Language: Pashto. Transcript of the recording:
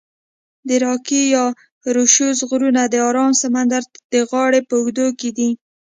د راکي یا روشوز غرونه د آرام سمندر د غاړي په اوږدو کې دي.